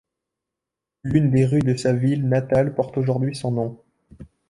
L'une des rues de sa ville natale porte aujourd'hui son nom.